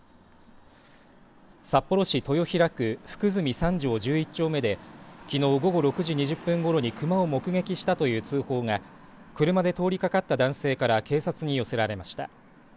札幌市豊平区福住３条１１丁目できのう午後６時２０分ごろに熊を目撃したという通報が車で通りかかった男性から警察に寄せられました。